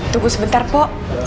tunggu sebentar mbak